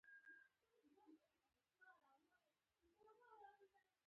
زده کول ښه دی.